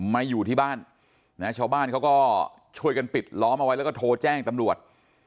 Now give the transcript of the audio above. มาอยู่ที่บ้านนะชาวบ้านเขาก็ช่วยกันปิดล้อมเอาไว้แล้วก็โทรแจ้งตำรวจ